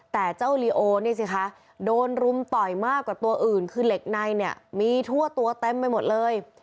แต่เจ้าลีโอนี่สิคะโดนรุมต่อยมากกว่าตัวอื่นคือเหล็กในเนี่ยมีทั่วตัวเต็มไปหมดเลย